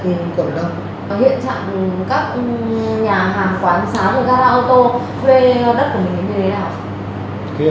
hiện trạng các nhà hàng quán xá ca la ô tô thuê đất của mình như thế nào